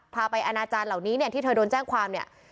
พาไปอนาจารย์เหล่านี้เนี่ยที่เธอโดนแจ้งความเนี่ย